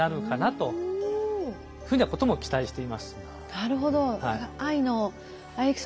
なるほど。